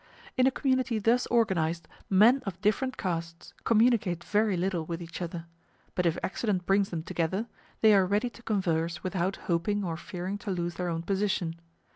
In a community thus organized, men of different castes communicate very little with each other; but if accident brings them together, they are ready to converse without hoping or fearing to lose their own position.